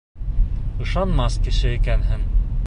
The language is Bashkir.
Ышанмаҫ кеше икәнһең!